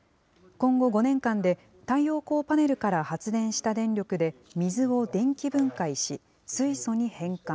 今後５年間で太陽光パネルから発電した電力で水を電気分解し、水素に変換。